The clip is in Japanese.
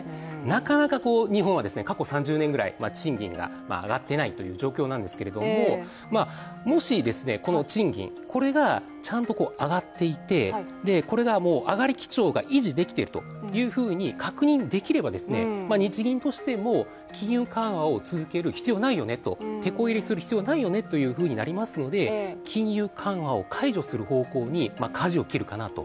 なかなか日本は過去３０年ぐらい賃金が上がっていないという状況なんですが、もしこの賃金、これがちゃんと上がっていてこれが上がり基調が維持できていると確認できれば、日銀としても、金融緩和を続ける必要はないよね、てこ入れする必要がないよねということになりますので金融緩和を解除する方向にかじを切るかなと。